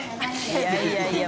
いやいやいや。